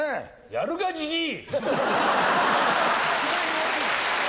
やるかじじい。